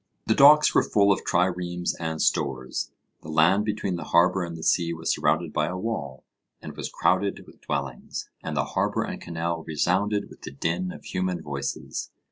The docks were full of triremes and stores. The land between the harbour and the sea was surrounded by a wall, and was crowded with dwellings, and the harbour and canal resounded with the din of human voices.